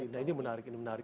nah ini menarik ini menarik